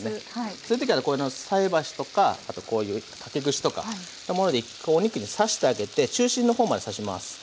そういう時はこの菜箸とかあとこういう竹串とかいったもので１回お肉に刺してあげて中心の方まで刺します。